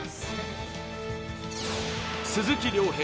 鈴木亮平